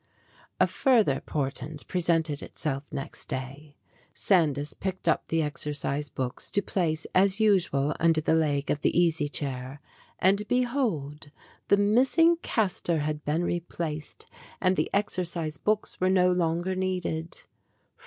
A further portent presented itself next day. Sandys picked up the exercise books to place, as usual, under the leg of the easy chair, and, behold, the missing cas tor had been replaced and the exercise books were no longer needed.